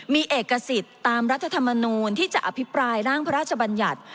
มีเอกสิทธิ์ตามรัฐธรรมนูลที่จะอภิปรายร่างพระราชบัญญัติ